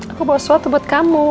aku bawa sesuatu buat kamu